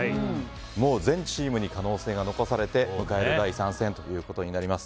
全チームに可能性が残されて迎える第３戦となります。